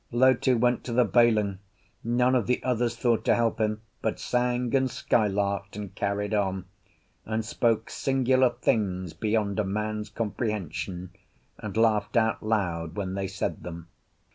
Lotu went to the bailing; none of the others thought to help him, but sang and skylarked and carried on, and spoke singular things beyond a man's comprehension, and laughed out loud when they said them.